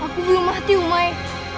aku belum mati umai